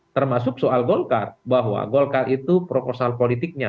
termasuk soal golkar bahwa golkar itu proposal politiknya